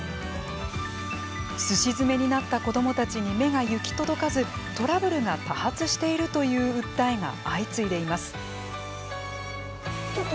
すし詰めになった子どもたちに目が行き届かずトラブルが多発しているという訴えが相次いでいます。